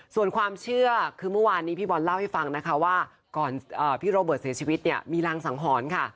ส่วนความเชื่อคือเมื่อวานนี้พี่บอลเล่าให้ฟังนะคะว่าก่อนพี่โรเบิร์ตเสียชีวิตเนี่ยมีรางสังหรณ์ค่ะ